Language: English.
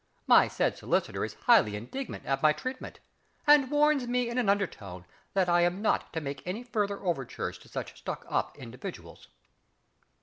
My said solicitor is highly indignant at my treatment, and warns me in an undertone that I am not to make any further overtures to such stuck up individuals.